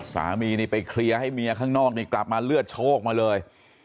สามีนี่ไปเคลียร์ให้เมียข้างนอกนี่กลับมาเลือดโชคมาเลย